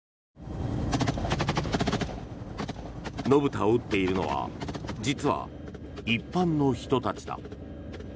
野豚を撃っているのは実は、一般の人たちだ。